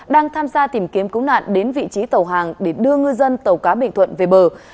đang tham gia tìm kiếm cứu nạn đến vị trí tàu hàng để đưa ngư dân tàu cá bình thuận về bờ